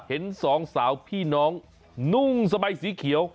เห็นสองสาวพี่น้องนุ่งสบายสีเขียว